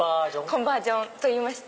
コンバージョンといいまして。